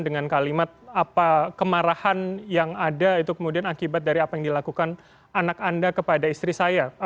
dengan kalimat apa kemarahan yang ada itu kemudian akibat dari apa yang dilakukan anak anda kepada istri saya